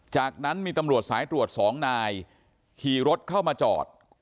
จากนั้นมีตำรวจสายตรวจสองนายขี่รถเข้ามาจอด